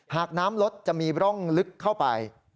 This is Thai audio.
หากน้ำลดจะมีร่องลึกเข้าไป